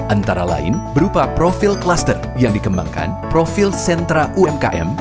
antara lain berupa profil kluster yang dikembangkan profil sentra umkm